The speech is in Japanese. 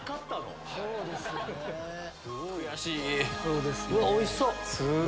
うわっおいしそう！